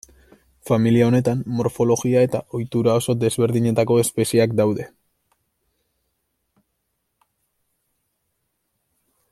Familia honetan morfologia eta ohitura oso desberdinetako espezieak daude.